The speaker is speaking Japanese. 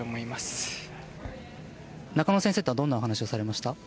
中野先生とはどんなお話をされました？